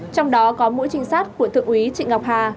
trong đó có mũi trinh sát của thượng úy trịnh ngọc hà